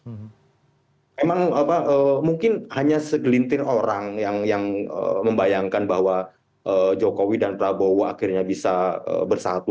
memang mungkin hanya segelintir orang yang membayangkan bahwa jokowi dan prabowo akhirnya bisa bersatu